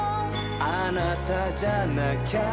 「あなたじゃなきゃ」